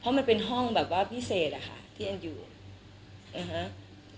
เพราะมันเป็นห้องแบบว่าพิเศษอะค่ะที่แอนอยู่นะฮะ